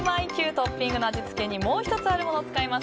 トッピングの味付けにもう１つあるものを使います。